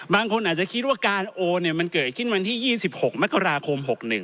บางคนอาจจะคิดว่าการโอนมันเกิดขึ้นวันที่๒๖มกราคม๖๑